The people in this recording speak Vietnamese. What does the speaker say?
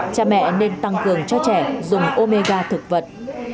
cha mẹ nên tăng cường cho trẻ dùng omega thực vật